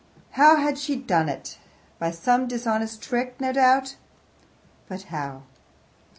How had she done it? By some dishonest trick, no doubt but how?